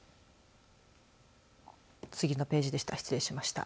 次のページでした。